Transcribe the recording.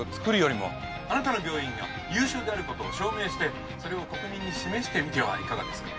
「あなたの病院が優秀である事を証明してそれを国民に示してみてはいかがですか？」